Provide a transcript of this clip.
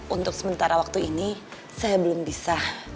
untuk sementara waktu ini saya belum bisa